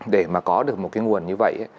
để mà có được một cái nguồn như vậy